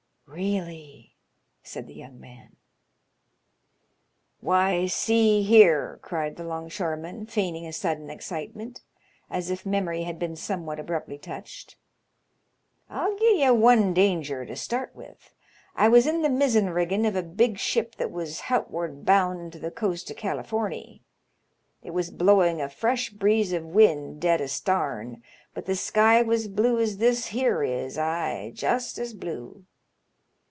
" Really !" said the young man. Why, see here," cried the 'longshoreman, feigning a sudden excitement, as if memory had been somewhat abruptly touched, " I'll gi' ye one danger, to start with. I was in th' mizen riggin' of a big ship that was hout ward boun' to th' coast of Californie. It was blowing a fresh^reeze of wind dead astarn, but the sky was blue as this here is ; ay, just as blue.